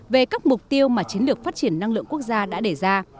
về các mục tiêu mà chiến lược phát triển năng lượng quốc gia đã đề ra